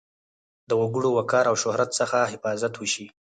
د وګړو وقار او شهرت څخه حفاظت وشي.